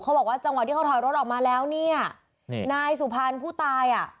เขาบอกว่าจังหวะที่เขาถอยรถออกมาแล้วเนี่ยนายสุพรรณผู้ตายอ่ะ